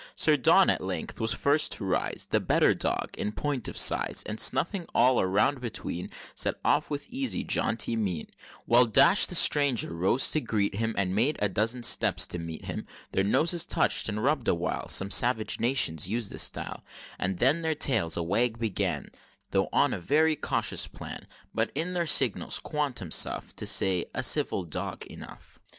Sir Don at length was first to rise The better dog in point of size, And, snuffing all the ground between, Set off, with easy jaunty mien; While Dash, the stranger, rose to greet him, And made a dozen steps to meet him Their noses touch'd, and rubb'd awhile (Some savage nations use the style), And then their tails a wag began, Though on a very cautious plan, But in their signals quantum suff. To say, "A civil dog enough."